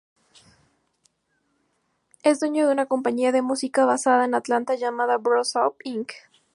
Es dueño de una compañía de música basada en Atlanta llamada Boss Up, Inc.